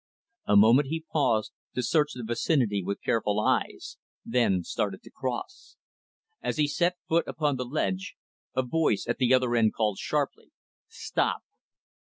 A moment, he paused, to search the vicinity with careful eyes, then started to cross. As he set foot upon the ledge, a voice at the other end called sharply, "Stop."